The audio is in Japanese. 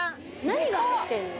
何が入ってんの？